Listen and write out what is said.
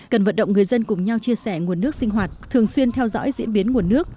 cần vận động người dân cùng nhau chia sẻ nguồn nước sinh hoạt thường xuyên theo dõi diễn biến nguồn nước